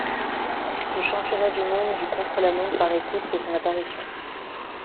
Le Championnat du monde du contre-la-montre par équipes fait son apparition.